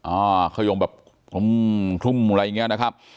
อ่าขยมแบบอืมทุ่มอะไรอย่างเงี้ยนะครับ